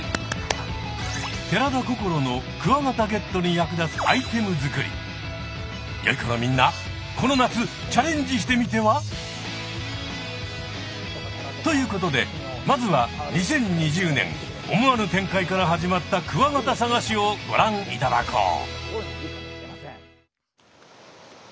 寺田心のよい子のみんなこの夏チャレンジしてみては？ということでまずは２０２０年思わぬ展開から始まったクワガタ探しをご覧いただこう。